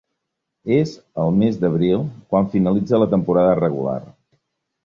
És el mes d'abril quan finalitza la temporada regular.